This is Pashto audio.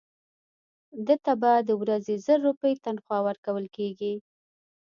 ده ته به د ورځې زر روپۍ تنخوا ورکول کېږي.